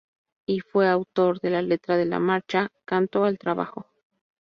Y fue autor de la letra de la Marcha "Canto al trabajo".